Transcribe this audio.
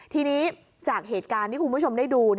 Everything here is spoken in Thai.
ทีนี้จากเหตุการณ์ที่คุณผู้ชมได้ดู